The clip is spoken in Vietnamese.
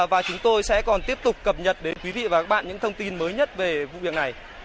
và chúng tôi sẽ còn tiếp tục cập nhật đến quý vị và các bạn những thông tin mới nhất về vụ việc này